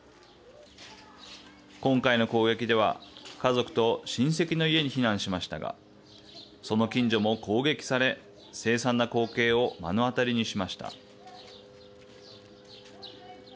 今回の攻撃では家族と親戚の家に避難しましたがその近所も攻撃され凄惨な光景を目の当たりにしました。